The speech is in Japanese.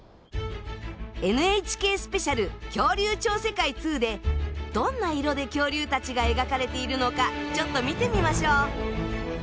「ＮＨＫスペシャル恐竜超世界２」でどんな色で恐竜たちが描かれているのかちょっと見てみましょう。